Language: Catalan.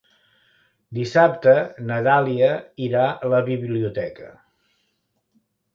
Dissabte na Dàlia irà a la biblioteca.